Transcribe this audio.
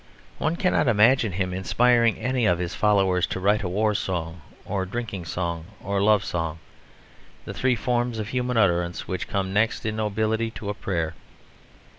One cannot imagine him inspiring any of his followers to write a war song or a drinking song or a love song, the three forms of human utterance which come next in nobility to a prayer.